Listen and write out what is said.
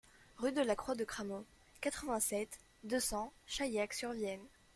Rue de la Croix de Cramaux, quatre-vingt-sept, deux cents Chaillac-sur-Vienne